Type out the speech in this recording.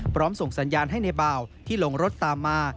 ส่งสัญญาณให้ในบ่าวที่ลงรถตามมา